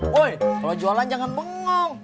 boy kalau jualan jangan bengong